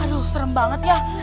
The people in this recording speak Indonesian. aduh serem banget ya